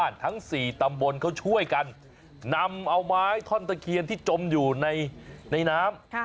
นำเอาไม้ท่อนตะเคียนที่จมอยู่ในน้ำ